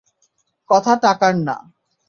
কথা টাকার না।